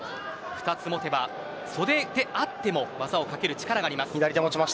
２つ持てば袖であっても技をかける力があります。